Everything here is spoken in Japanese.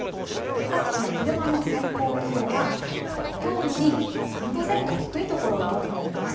各地の昼間の最高気温はきょうより３度前後低い所が多くなります。